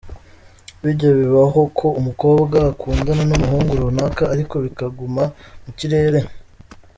Bijya bibaho ko umukobwa akundana n’umuhungu runaka ariko bikaguma mu kirere.